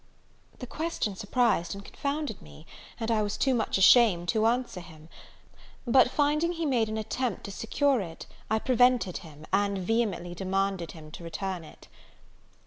The question surprised and confounded me, and I was too much ashamed to answer him; but, finding he made an attempt to secure it, I prevented him, and vehemently demanded him to return it.